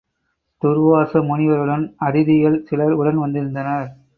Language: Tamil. துர்வாச முனிவருடன் அதிதிகள் சிலர் உடன் வந்திருந்தனர்.